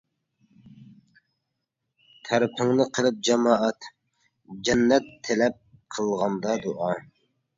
تەرىپىڭنى قىلىپ جامائەت، جەننەت تىلەپ قىلغاندا دۇئا.